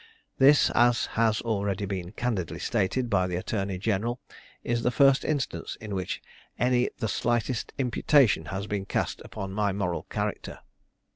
This, as has already been candidly stated by the attorney general, is the first instance in which any the slightest imputation has been cast upon my moral character.